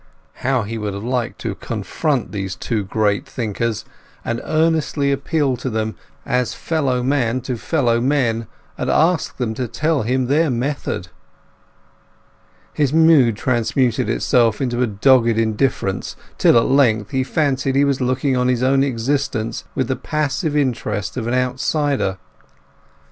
How he would have liked to confront those two great thinkers, and earnestly appeal to them as fellow man to fellow men, and ask them to tell him their method! His mood transmuted itself into a dogged indifference till at length he fancied he was looking on his own existence with the passive interest of an outsider.